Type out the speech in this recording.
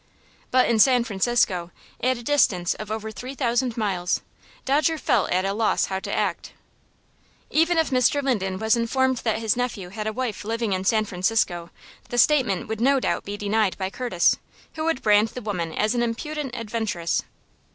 But in San Francisco at a distance of over three thousand miles Dodger felt at a loss how to act. Even if Mr. Linden was informed that his nephew had a wife living in San Francisco, the statement would no doubt be denied by Curtis, who would brand the woman as an impudent adventuress.